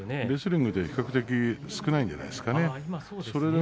レスリングは比較的少ないんじゃないですか。